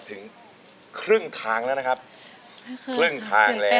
ถึงครึ่งทางนะครับ